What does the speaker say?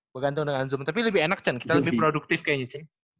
bergantung dengan zoom tapi lebih enak echen kita lebih produktif kayaknya